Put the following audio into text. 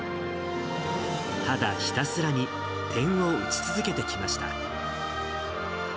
ただひたすらに、点を打ち続けてきました。